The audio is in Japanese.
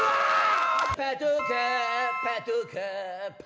パトカーパトカーパ。